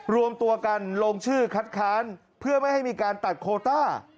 รวมตัวกันลงชื่อคัดค้านเพื่อไม่ให้มีการตัดโคต้า